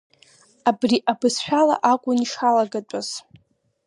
Абри абызшәала акәын ишалагатәыз!